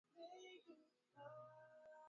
Upele wa ngozi unaowasha au ukurutu